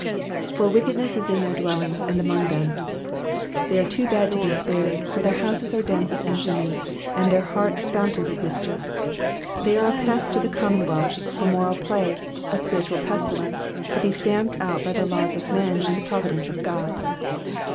''''For wickedness is in their d^reUingSy and among them.''^ They are too bad to be spared, for their houses are dens of infamy, and their hearts fountains of mischief. They are a pest to the commonwealth, a moral plague, a spiritual pestilence, to be stamped out by the laws of men and the providence of God.